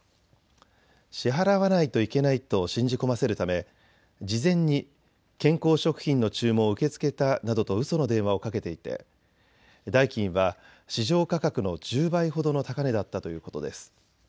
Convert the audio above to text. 支払わないといけないと信じ込ませるため事前に健康食品の注文を受け付けたなどとうその電話をかけていて代金は市場価格の１０倍ほどの高値だったということです。